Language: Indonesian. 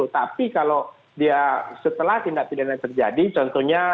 tapi kalau dia setelah tindak pidana terjadi contohnya